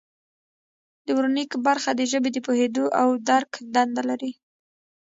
د ورنیک برخه د ژبې د پوهیدو او درک دنده لري